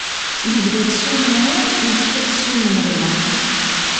Yebda-tt s umenɣi, yekfa-tt s umenɣi.